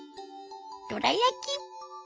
どら焼き。